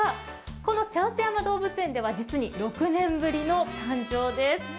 この茶臼山動物園では実に６年ぶりの誕生です。